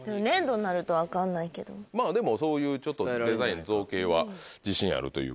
でもそういうちょっとデザイン造形は自信あるということで。